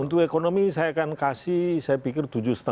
untuk ekonomi saya akan kasih saya pikir tujuh lima